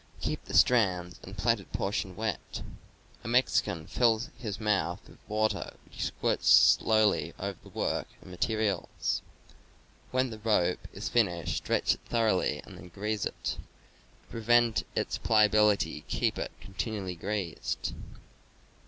Keep the strands and plaited portion wet; a Mexican fills his mouth with water which he squirts slowly over the work and materials. When the rope is finished, stretch it thoroughly, and then grease it. To preserve its pliability, keep it continually greased.